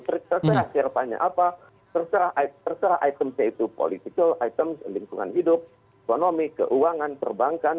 terserah kerapannya apa terserah itemnya itu politik item lingkungan hidup ekonomi keuangan perbankan